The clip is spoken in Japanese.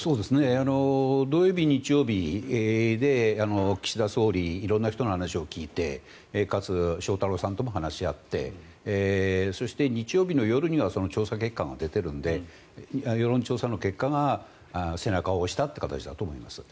土曜日、日曜日で岸田総理、色んな人の話を聞いてかつ、翔太郎さんとも話し合ってそして、日曜日の夜にはその調査結果が出ているので世論調査の結果が背中を押したという形だと思います。